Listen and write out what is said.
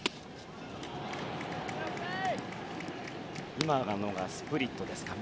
今のがスプリットです。